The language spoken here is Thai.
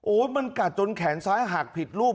มันกัดจนแขนซ้ายหักผิดรูป